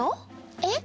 えっ？